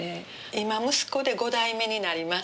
今息子で五代目になります。